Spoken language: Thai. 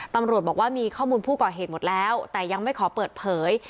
ตำรวจบอกว่ามีข้อมูลผู้ก่อเหตุหมดแล้วแต่ยังไม่ขอเปิดเผย